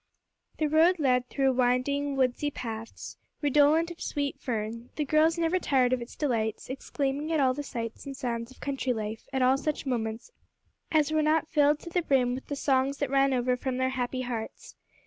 The road led through winding, woodsy paths, redolent of sweet fern; the girls never tired of its delights, exclaiming at all the sights and sounds of country life at all such moments as were not filled to the brim with the songs that ran over from their happy hearts.